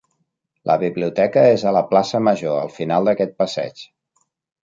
La biblioteca és a la plaça Major, al final d'aquest passeig.